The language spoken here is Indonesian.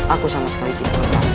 aku sama sekali tidak pernah